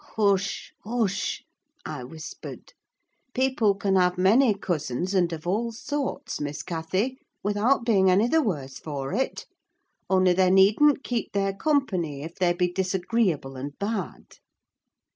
"Hush, hush!" I whispered; "people can have many cousins and of all sorts, Miss Cathy, without being any the worse for it; only they needn't keep their company, if they be disagreeable and bad."